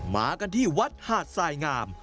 มากันที่วัดหาดสายงาม